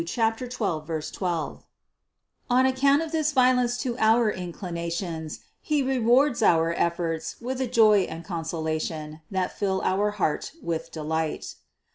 12, 12), on account of this violence to our inclinations, He rewards our efforts with a joy and consolation, that fill our heart with delight.